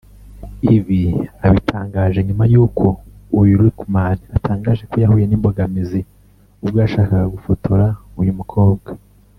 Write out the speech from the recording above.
Ibi abitangaje nyuma y’uko uyu Luqman atangaje ko yahuye n’imbogamizi ubwo yashakaga gufotora uyu mukobwa